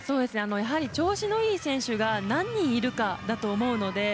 やはり調子のいい選手が何人いるかだと思うので。